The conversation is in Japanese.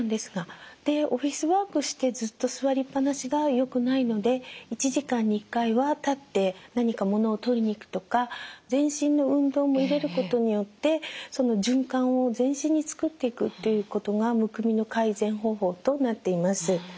でオフィスワークしてずっと座りっぱなしがよくないので１時間に１回は立って何か物を取りに行くとか全身の運動も入れることによって循環を全身に作っていくということがむくみの改善方法となっています。